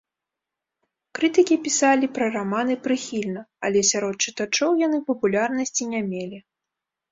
Крытыкі пісалі пра раманы прыхільна, але сярод чытачоў яны папулярнасці не мелі.